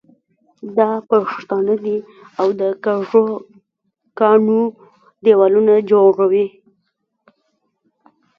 دا پښتانه دي او د کږو کاڼو دېوالونه جوړوي.